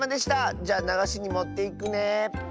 じゃあながしにもっていくね。